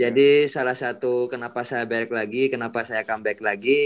jadi salah satu kenapa saya baik lagi kenapa saya comeback lagi